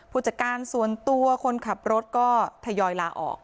ผู้จัดการส่วนตัวคนขับรถก็ทยอยลาออก